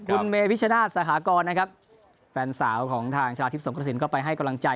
คุณเมพิชนาศสหกรนะครับแฟนสาวของทางชนะทิพย์สงกระสินก็ไปให้กำลังใจ